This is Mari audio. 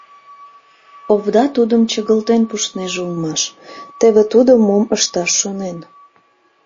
Овда тудым чыгылтен пуштнеже улмаш, теве тудо мом ышташ шонен.